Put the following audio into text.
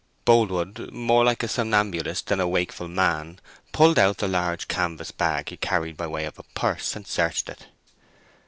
Boldwood, more like a somnambulist than a wakeful man, pulled out the large canvas bag he carried by way of a purse, and searched it.